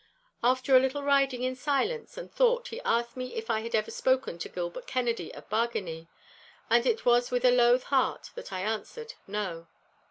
After a little riding in silence and thought, he asked me if I had ever spoken to Gilbert Kennedy of Bargany, and it was with a loath heart that I answered 'No.